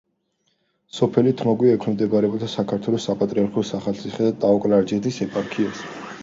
სოფელი თმოგვი ექვემდებარება საქართველოს საპატრიარქოს ახალციხისა და ტაო-კლარჯეთის ეპარქიას.